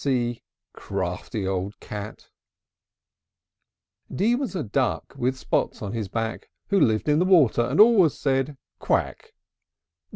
c! Crafty old cat! D D was a duck With spots on his back, Who lived in the water, And always said "Quack!"